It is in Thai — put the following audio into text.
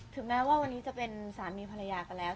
แม้ว่าวันนี้จะเป็นสามีภรรยากันแล้ว